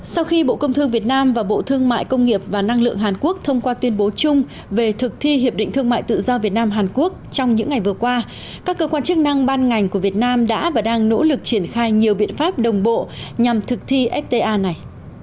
sau khi bộ công thương việt nam và bộ thương mại công nghiệp và năng lượng hàn quốc thông qua tuyên bố chung về thực thi hiệp định thương mại tự do việt nam hàn quốc trong những ngày vừa qua các cơ quan chức năng ban ngành của việt nam đã và đang nỗ lực triển khai nhiều biện pháp đồng bộ nhằm thực thi fta này